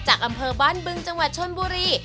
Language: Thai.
อำเภอบ้านบึงจังหวัดชนบุรี